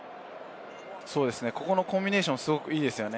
そうですね、ここのコンビネーションすごくいいですね。